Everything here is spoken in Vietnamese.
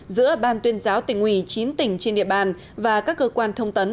giữa ban tuyên giáo tỉnh ủy chín tỉnh trên địa bàn và các cơ quan thông tấn